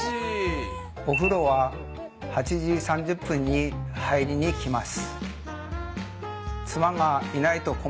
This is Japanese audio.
お風呂は８時３０分に入りにきます。